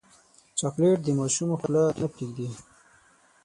چاکلېټ د ماشوم خوله نه پرېږدي.